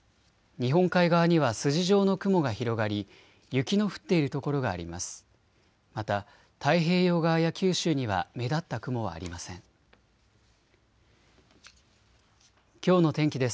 日本海側には筋状の雲が広がり雪の降っている所があります。